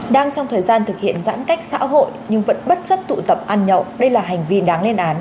đang trong thời gian thực hiện giãn cách xã hội nhưng vẫn bất chấp tụ tập ăn nhậu đây là hành vi đáng lên án